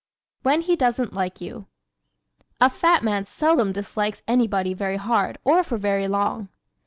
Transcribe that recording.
When He Doesn't Like You ¶ A fat man seldom dislikes anybody very hard or for very long.